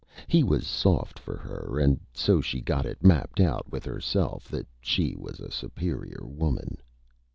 He was Soft for her, and so she got it Mapped out with Herself that she was a Superior Woman.